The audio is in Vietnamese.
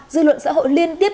dư luận xã hội liên tiếp